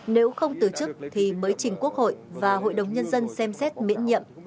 nếu không từ chức thì mới trình quốc hội và hội đồng nhân dân xem xét miễn nhiệm